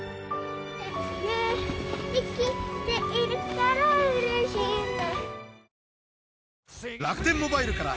いきているからうれしいんだ